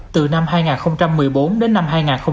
từ năm hai nghìn một mươi bốn đến năm hai nghìn hai mươi